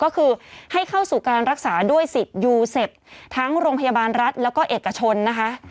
ก็คือให้เข้าสู่การรักษาด้วยสิทธิ์ยูเซฟทั้งโรงพยาบาลรัฐแล้วก็เอกชนนะคะ